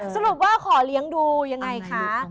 สรุปว่าขอเลี้ยงดูยังไงคะ